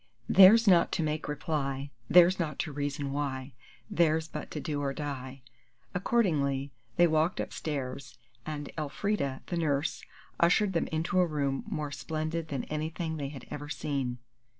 "Theirs not to make reply, Theirs not to reason why, Theirs but to do or die." Accordingly, they walked upstairs, and Elfrida, the nurse, ushered them into a room more splendid than anything they had ever seen.